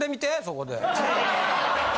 そこで。